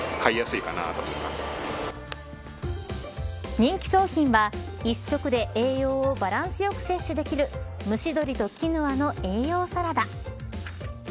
人気商品は一食で栄養をバランスよく摂取できる蒸し鶏とキヌアの栄養サラダ。